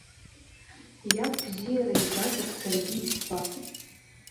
Иаб бзиара ибазар саргьы избап!